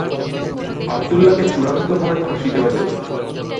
আবদুল্লাহকে চূড়ান্তভাবে ফাঁসি দেওয়া হয়েছিল।